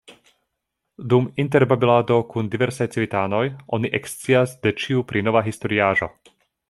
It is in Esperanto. Dum interbabilado kun diversaj civitanoj, oni ekscias de ĉiu pri nova historiaĵo.